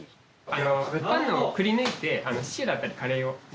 パンをくりぬいてシチューだったりカレーを。